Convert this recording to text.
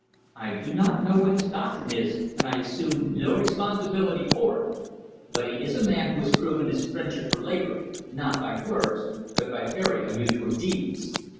I do not know what his doctrine is, and I assume no responsibility for it. But he is a man who has proven his friendship for labor, not by words, but by very unusual deeds.